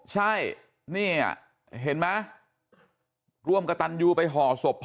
ใช่นี่เห็นไหมร่วมกระตันยูไปห่อศพพ่อ